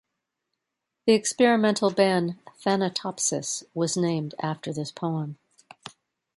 The experimental band Thanatopsis was named after this poem.